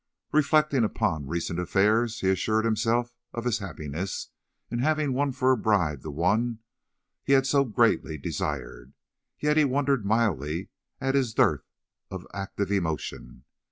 Reflecting upon recent affairs, he assured himself of his happiness in having won for a bride the one he had so greatly desired, yet he wondered mildly at his dearth of active emotion.